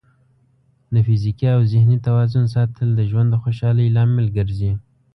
د فزیکي او ذهني توازن ساتل د ژوند د خوشحالۍ لامل ګرځي.